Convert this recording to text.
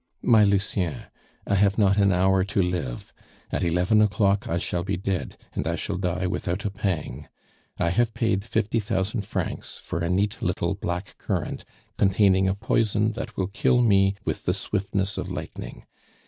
"MY LUCIEN, I have not an hour to live. At eleven o'clock I shall be dead, and I shall die without a pang. I have paid fifty thousand francs for a neat little black currant, containing a poison that will kill me with the swiftness of lightning.